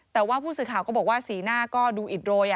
แต่ว่าผู้สื่อข่าวก็บอกว่าสีหน้าก็ดูอิดโรย